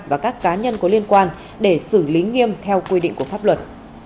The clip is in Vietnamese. và các cá nhân có liên quan để xử lý nghiêm theo quy định của pháp luật